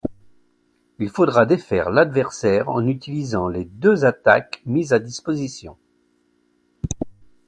Il faudra défaire l'adversaire en utilisant les deux attaques mises à disposition.